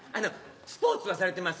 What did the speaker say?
スポーツはされてます？